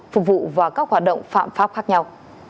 phục vụ vào các hoạt động phạm pháp khác nhau